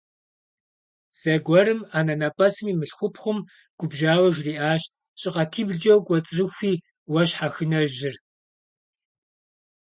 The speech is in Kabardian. Зэгуэрым анэнэпӀэсым и мылъхупхъум губжьауэ жриӀащ: – ЩӀыкъатиблкӀэ укӀуэцӀрыхуи уэ щхьэхынэжьыр!